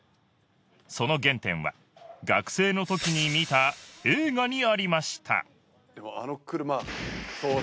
その原点は学生の時に観た映画にありました